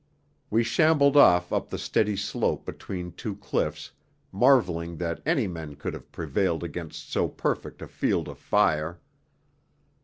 We shambled off up the steady slope between two cliffs, marvelling that any men could have prevailed against so perfect a 'field of fire.'